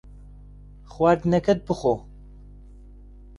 خواردنەکەت بخۆ.